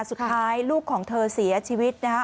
สุดท้ายลูกของเธอเสียชีวิตนะคะ